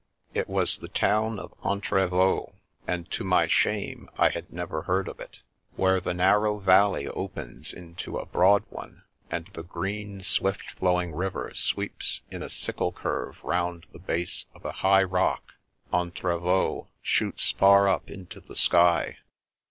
It was the town of Entre vaux, and to my shame I had never heard of it. Where the narrow valley opens into a broad one, and the green, swift flowing river sweeps in a sickle curve round the base of a high rock, Entrevaux shoots far up into the sky.